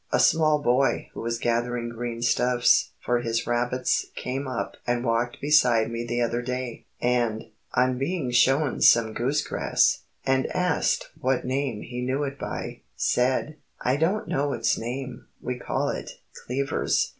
A small boy who was gathering green stuffs for his rabbits came up and walked beside me the other day, and, on being shown some goose grass, and asked what name he knew it by, said: "I don't know its name; we calls it 'cleavers.'"